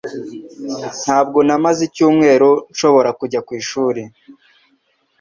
Ntabwo namaze icyumweru nshobora kujya ku ishuri.